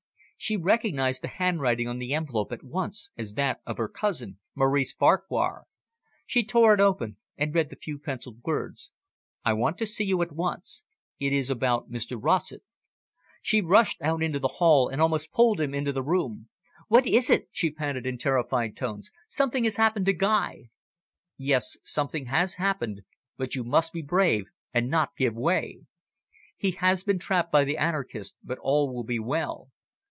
She recognised the handwriting on the envelope at once as that of her cousin Maurice Farquhar. She tore it open and read the few pencilled words: "I want to see you at once. It is about Mr Rossett." She rushed out into the hall, and almost pulled him into the room. "What is it?" she panted in terrified tones. "Something has happened to Guy." "Yes, something has happened, but you must be brave and not give way. He has been trapped by the anarchists, but all will be well.